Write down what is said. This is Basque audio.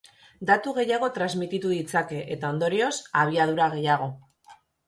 Datu gehiago transmititu ditzake, eta ondorioz, abiadura gehiago.